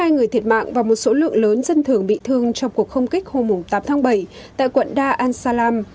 hai mươi hai người thiệt mạng và một số lượng lớn dân thường bị thương trong cuộc không kích hôm tám tháng bảy tại quận dar al salam